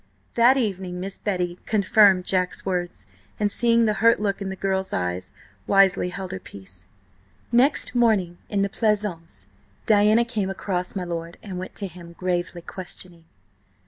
That evening Miss Betty confirmed Jack's words, and seeing the hurt look in the girl's eyes, wisely held her peace. Next morning in the pleasaunce Diana came across my lord, and went up to him, gravely questioning.